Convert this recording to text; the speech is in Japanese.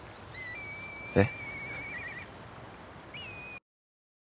えっ？